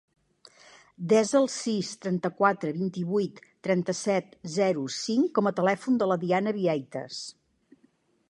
Desa el sis, trenta-quatre, vint-i-vuit, trenta-set, zero, cinc com a telèfon de la Diana Vieites.